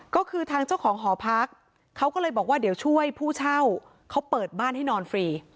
ก็คือทางเจ้าของหอพักเขาก็เลยบอกว่าเดี๋ยวช่วยผู้เช่าเขาเปิดบ้านให้นอนฟรี